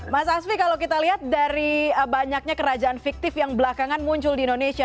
mas asfi kalau kita lihat dari banyaknya kerajaan fiktif yang belakangan muncul di indonesia